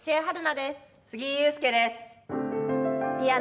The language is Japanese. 杉井勇介です。